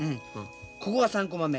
ここが３コマ目。